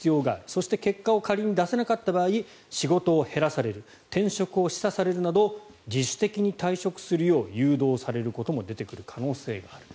そして結果を仮に出せなかった場合仕事を減らされる転職を示唆されるなど自主的に退職するよう誘導されることも出てくる可能性がある。